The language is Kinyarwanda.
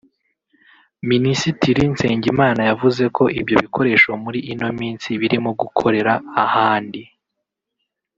Minisitiri Nsengimana yavuze ko ibyo bikoresho muri ino minsi birimo gukorera ahandi